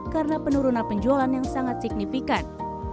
karena penurunan penjualan yang sangat signifikan